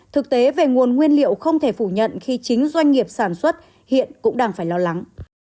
thực tế về nguồn nguyên liệu không thể phủ nhận khi chính doanh nghiệp sản xuất hiện cũng đang phải lo lắng